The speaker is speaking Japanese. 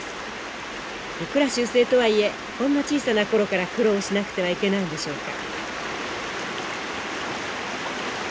いくら習性とはいえこんな小さな頃から苦労しなくてはいけないんでしょうか。